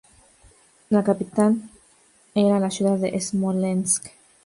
La capital era la ciudad de Smolensk.